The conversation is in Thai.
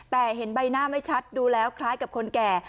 แต่เห็นใบหน้าไม่ชัดดูแล้วคล้ายกับคนแก่